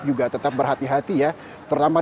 juga tetap berhati hati ya terutama